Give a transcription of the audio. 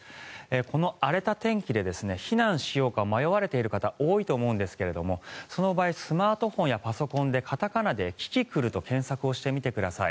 この荒れた天気で避難しようか迷われている方多いと思うんですけれどその場合スマートフォンやパソコンで片仮名でキキクルと検索してみてください。